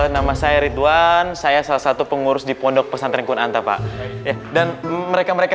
nama saya ridwan saya salah satu pengurus di pondok pesantren kunanta pak dan mereka mereka